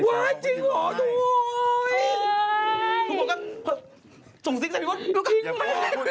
โอ๊ยไอ้เจ๊มันหล่อ